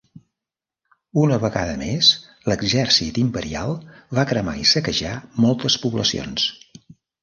Una vegada més l'exèrcit imperial va cremar i saquejar moltes poblacions.